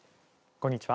こんにちは。